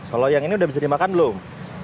kalau yang ini udah bisa dimakan belum